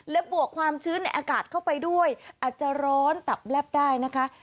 และบวกความชื้นในอากาศเข้าไปด้วยอาจจะร้อนตับแลบได้นะคะ